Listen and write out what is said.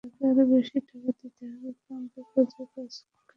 পাম্পে কাজের কাজ কিচ্ছু হবে না।